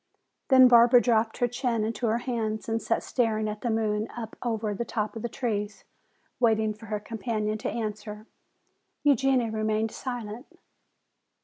Then Barbara dropped her chin into her hands and sat staring at the moon up over the top of the trees, waiting for her companion to answer. Eugenia remained silent.